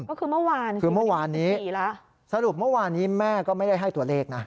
ก็คือเมื่อวานคือเมื่อวานนี้สรุปเมื่อวานนี้แม่ก็ไม่ได้ให้ตัวเลขนะ